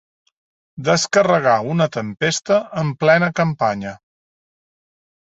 Descarregar una tempesta en plena campanya.